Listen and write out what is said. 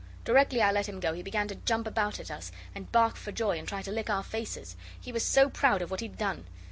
Directly I let him go he began to jump about at us and bark for joy, and try to lick our faces. He was so proud of what he'd done.